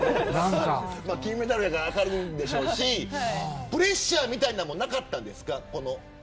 金メダルやから明るいでしょうしプレッシャーみたいなのもなかったですか。